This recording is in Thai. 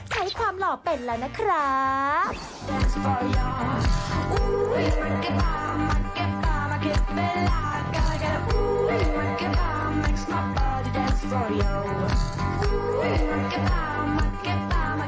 ใช้ความหล่อเป็นแล้วนะครับ